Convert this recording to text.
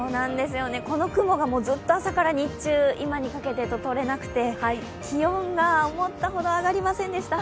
この雲がずっと朝から日中今にかけてと、とれなくて気温が思ったほど上がりませんでした。